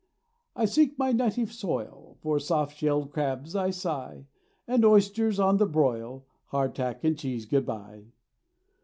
I seek my native soil, For soft shell crabs I sigh, And oysters on the broil; Hard tack and cheese, good bye!